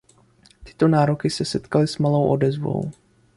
Tyto nároky se setkaly s malou odezvou.